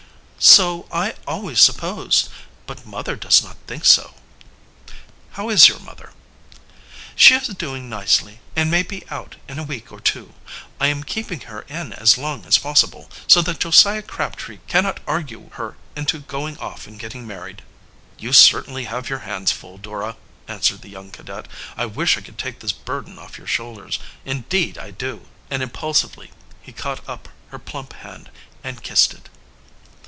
"So I always supposed but mother does not think so." "How is your mother?" "She is doing nicely, and may be out in a week or two. I am keeping her in as long as possible, so that Josiah Crabtree cannot argue her into going off and getting married." "You certainly have your hands full, Dora," answered the young cadet. "I wish I could take this burden off your shoulders, indeed I do!" and impulsively he caught up her plump, hand and kissed it.